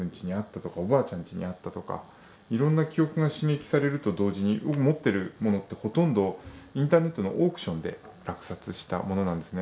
「おばあちゃんちにあった」とかいろんな記憶が刺激されると同時に僕持ってるものってほとんどインターネットのオークションで落札したものなんですね。